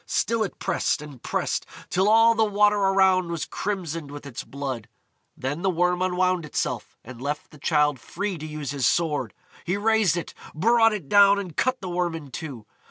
Still it pressed and pressed, till all the water around was crimsoned with its blood. Then the Worm unwound itself, and left the Childe free to use his sword. He raised it, brought it down, and cut the Worm in two.